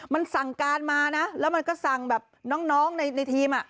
มันสั่งการมานะแล้วมันก็สั่งแบบน้องในทีม